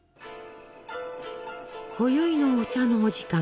こよいのお茶のお時間。